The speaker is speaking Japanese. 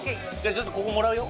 ちょっとここもらうよ